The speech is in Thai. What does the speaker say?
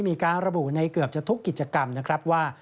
มีการระบุในเกือบจะทุกกิจกรรมนะครับว่า